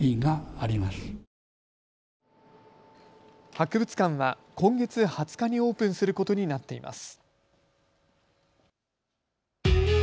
博物館は今月２０日にオープンすることになっています。